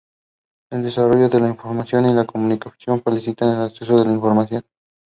Esteves has represented Portugal at youth international level.